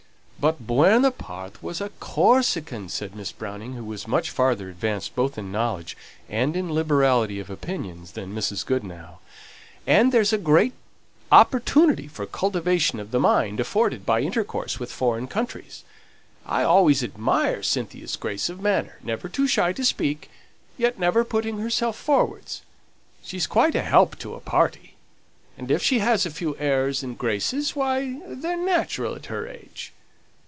"But Buonaparte was a Corsican," said Miss Browning, who was much farther advanced both in knowledge and in liberality of opinions than Mrs. Goodenough. "And there's a great opportunity for cultivation of the mind afforded by intercourse with foreign countries. I always admire Cynthia's grace of manner, never too shy to speak, yet never putting herself forwards; she's quite a help to a party; and if she has a few airs and graces, why they're natural at her age!